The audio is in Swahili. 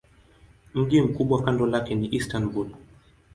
Mji mkubwa kando lake ni Istanbul.